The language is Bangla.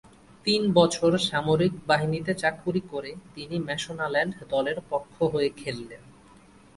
তিন বছর সামরিক বাহিনীতে চাকুরী করে তিনি ম্যাশোনাল্যান্ড দলের পক্ষ হয়ে খেললেন।